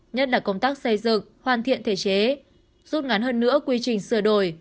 nhất là công tác xây dựng hoàn thiện thể chế rút ngắn hơn nữa quy trình sửa đổi